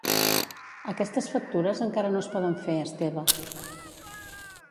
Aquestes factures encara no es poden fer, Esteve.